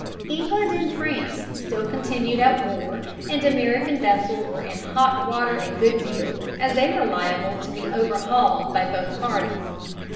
] England and France still continued at war, and American vessels were in hot water a good deal, as they were liable to be overhauled by both parties.